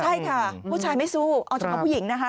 ใช่ค่ะผู้ชายไม่สู้เอาเฉพาะผู้หญิงนะคะ